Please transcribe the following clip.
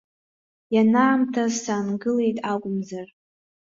Ианаамҭаз саангылеит акәымзар.